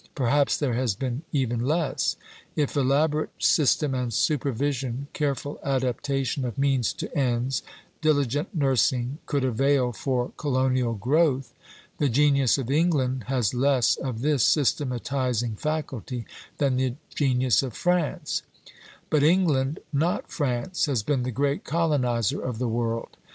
Perhaps there has been even less. If elaborate system and supervision, careful adaptation of means to ends, diligent nursing, could avail for colonial growth, the genius of England has less of this systematizing faculty than the genius of France; but England, not France, has been the great colonizer of the world.